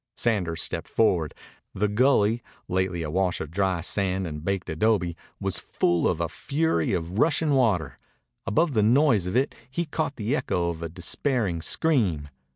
Sanders stepped forward. The gully, lately a wash of dry sand and baked adobe, was full of a fury of rushing water. Above the noise of it he caught the echo of a despairing scream.